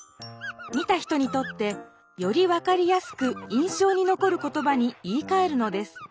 見た人にとってより分かりやすく印象にのこる言葉に言いかえるのです。